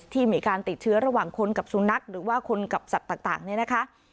มีการติดเชื้อระหว่างคนกับสุนัขหรือว่าคนกับสัตว์ต่างเนี่ยนะคะ